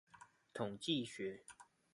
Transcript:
統計學